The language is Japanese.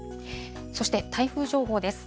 そして台風情報です。